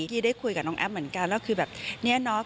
ที่ได้คุยกับน้องแอฟเหมือนกันแล้วคือแบบเนี่ยเนาะ